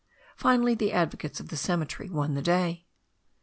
Finally the advocates of the cemetery won the day.